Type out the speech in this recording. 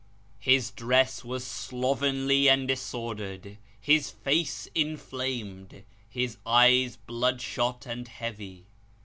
His dress was slovenly and disordered, his face inflamed, his eyes bloodshot and heavy.